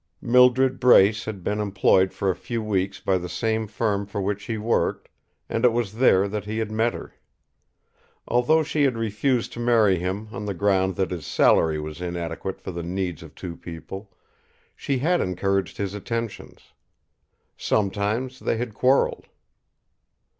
Mildred Brace had been employed for a few weeks by the same firm for which he worked, and it was there that he had met her. Although she had refused to marry him on the ground that his salary was inadequate for the needs of two people, she had encouraged his attentions. Sometimes, they had quarrelled.